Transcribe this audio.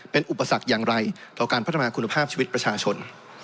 เป็นอุปสรรคอย่างไรต่อการพัฒนาคุณภาพชีวิตประชาชน